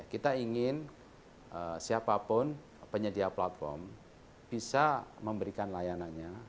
kita ingin siapapun penyedia platform bisa memberikan layanannya